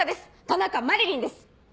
田中麻理鈴です。